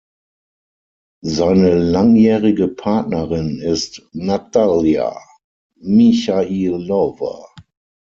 Seine langjährige Partnerin ist Natalja Michailowa.